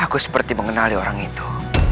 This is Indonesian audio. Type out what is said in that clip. aku seperti mengenali orang itu